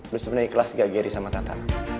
lo sebenernya ikhlas gak geri sama tata